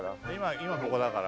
今ここだから。